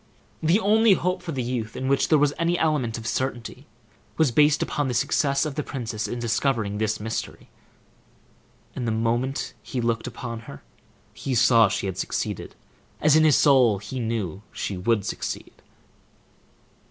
The only hope for the youth in which there was any element of certainty was based upon the success of the princess in discovering this mystery; and the moment he looked upon her, he saw she had succeeded, as in his soul he knew she would succeed.